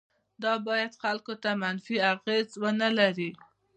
دا باید خلکو ته منفي اغیز ونه لري.